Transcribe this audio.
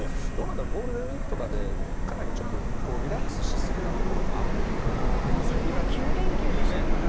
ゴールデンウィークとかでリラックスしすぎなところも最大９連休でしたからね。